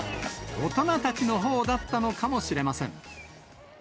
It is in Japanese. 大人たちのほうだったのかもしれません。